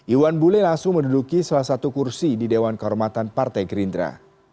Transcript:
iwan bule langsung menduduki salah satu kursi di dewan kehormatan partai gerindra